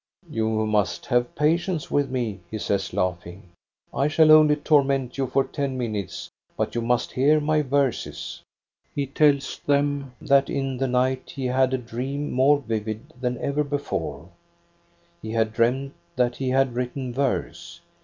"You must have patience with me,'* he says, laughing. " I shall only torment you for ten min utes; but you must hear my verses." He tells them that in the night he had had a dream more vivid than ever before ; he had dreamt that he had written verse.